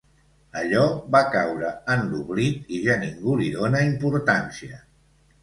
Allò va caure en l'oblit i ja ningú li dona importància.